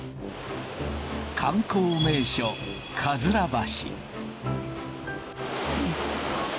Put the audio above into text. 観光名所、かずら橋。